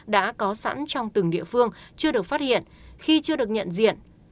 đã có sẵn trong từng địa phương chưa được phát hiện khi chưa được nhận diện